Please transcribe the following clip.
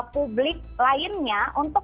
publik lainnya untuk